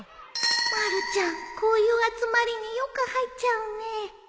まるちゃんこういう集まりによく入っちゃうねえ